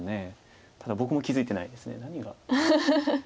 ただ僕も気付いてないです何が。